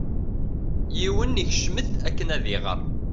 Yiwen ikcem-d akken ad iɣer.